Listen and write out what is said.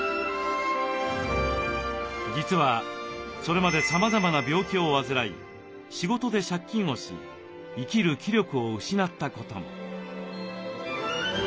実はそれまでさまざまな病気を患い仕事で借金をし生きる気力を失ったことも。